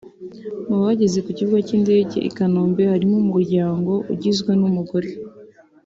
Mu bageze ku Kibuga cy’Indege i Kanombe harimo umuryango ugizwe n’umugore